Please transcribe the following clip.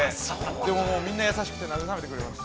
でもみんな優しくて、慰めてくれました。